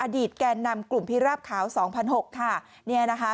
อดีตแก่นำกลุ่มพิราบขาว๒๐๐๖ค่ะ